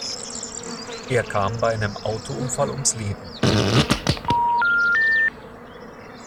Er kam bei einem Autounfall ums Leben.